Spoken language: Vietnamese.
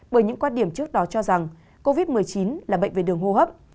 bởi những quan điểm trước đó cho rằng covid một mươi chín là bệnh về đường hô hấp